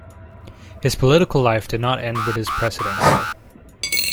His political life did not end with his presidency.